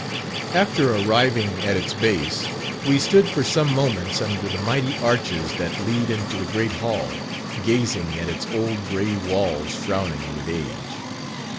After arriving at its base, we stood for some moments under the mighty arches that lead into the great hall, gazing at its old grey walls frowning with age.